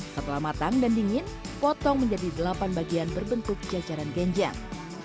setelah matang dan dingin potong menjadi delapan bagian berbentuk jajaran genjang